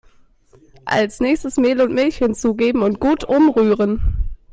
Als nächstes Mehl und Milch hinzugeben und gut umrühren.